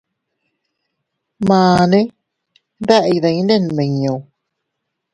Mane, ¿deʼe iydinne nmiñu?.